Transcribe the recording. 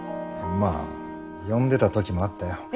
まあ呼んでた時もあったよ。